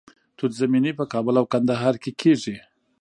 توت زمینی په کابل او ننګرهار کې کیږي.